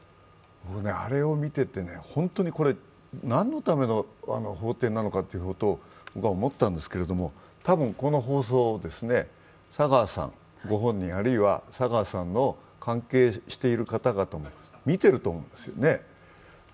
あれを見てて、本当に何のための法廷なのかということを思ったんですけれども、多分、この放送を佐川さんご本人、あるいは佐川さんの関係している方々も見ていると思うんですよね。